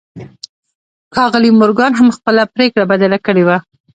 ښاغلي مورګان هم خپله پرېکړه بدله کړې وه.